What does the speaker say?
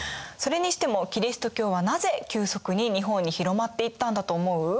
それにしてもキリスト教はなぜ急速に日本に広まっていったんだと思う？